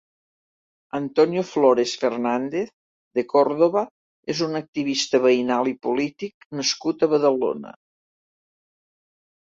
Antonio Flores Fernández de Córdoba és un activista veïnal i polític nascut a Badalona.